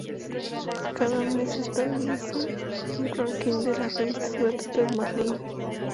Cada mes establecen un ranking de las revistas gratuitas más leídas.